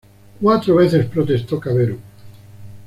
Cuatro veces protestó Cavero.